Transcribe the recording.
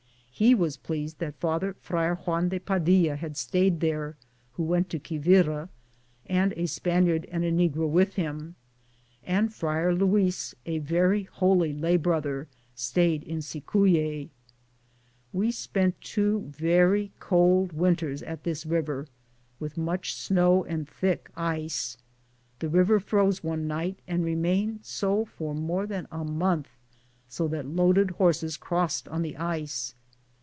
He was pleased that Father Friar Juan de Fadilla had stayed there, who went to Quivira, and a Spaniard and a negro with him, and Friar Luis, a very holy lay brother, stayed in Cicuique. We spent two very cold winters at this river, with much snow and thick ice. The river froze one night and remained so for more than a month, so that loaded horses crossed on the ice.